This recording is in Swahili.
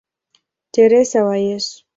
Teresa wa Yesu".